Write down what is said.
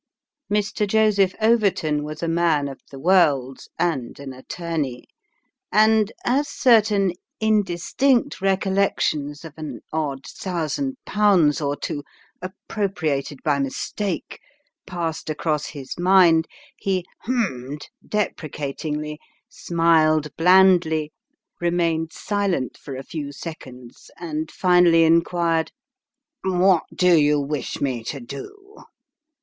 Mr. Joseph Overton was a man of the world, and an attorney ; and as certain indistinct recollections of an odd thousand pounds or two, appropriated by mistake, passed across his mind, he hemmed depre catingly, smiled blandly, remained silent for a few seconds ; and finally inquired, " What do you wish me to do